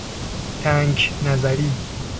تنک نظری